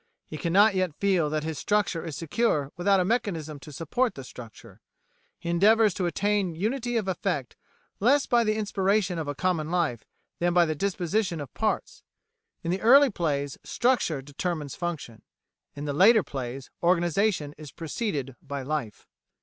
He cannot yet feel that his structure is secure without a mechanism to support the structure. He endeavours to attain unity of effect less by the inspiration of a common life than by the disposition of parts. In the early plays structure determines function; in the later plays organisation is preceded by life."